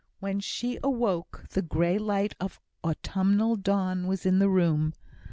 When she awoke the grey light of autumnal dawn was in the room.